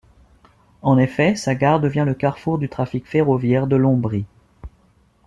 En effet sa gare devient le carrefour du trafic ferroviaire de l'Ombrie.